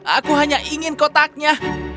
aku hanya ingin kotaknya